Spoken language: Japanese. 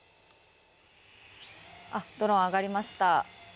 ドローンが上がりました。